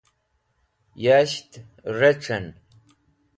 yas̃ht rec̃h'en